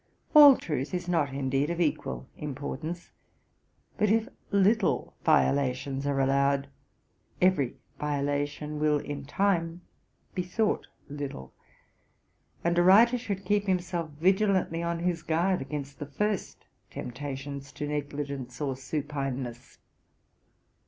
All truth is not, indeed, of equal importance; but, if little violations are allowed, every violation will in time be thought little; and a writer should keep himself vigilantly on his guard against the first temptations to negligence or supineness.